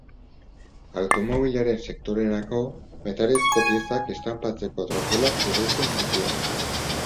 Automobilaren sektorerako metalezko piezak estanpatzeko trokelak ekoizten zituen.